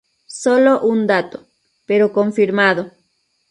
Solo un dato... pero confirmado.